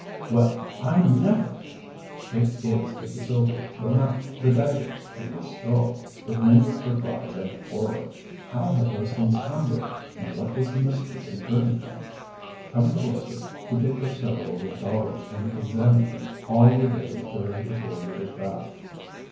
"Well, I never!" Dick gazed at the silver, the map, the daggers and the skull with mingled surprise and horror. How had those things come there, and what was the mystery concerning them? Coming closer, he picked up several of the dollars and examined them. All were dated thirty to forty years back.